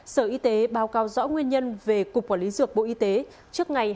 sở y tế báo cáo rõ nguyên nhân về cục quản lý dược bộ y tế trước ngày hai mươi hai tháng sáu